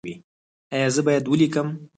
ایا زه باید ولیکم؟